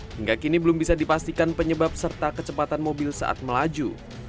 hingga kini belum bisa dipastikan penyebab serta kecepatan mobil saat melaju